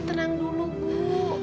tenang dulu bu